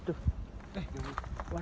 masih makan lagi